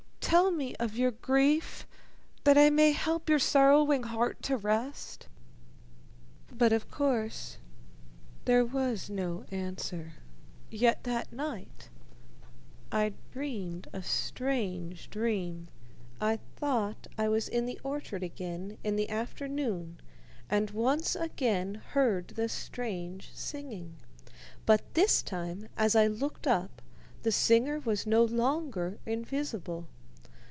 tell me of your grief that I may help your sorrowing heart to rest." But, of course, there was no answer; yet that night I dreamed a strange dream. I thought I was in the orchard again in the afternoon and once again heard the strange singing but this time, as I looked up, the singer was no longer invisible.